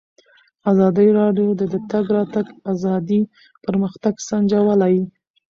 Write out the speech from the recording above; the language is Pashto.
ازادي راډیو د د تګ راتګ ازادي پرمختګ سنجولی.